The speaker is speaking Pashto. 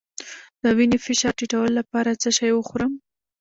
د وینې فشار ټیټولو لپاره څه شی وخورم؟